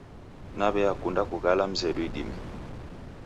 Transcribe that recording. Naw'eakunda kughala mzedu idime.